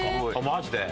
マジで？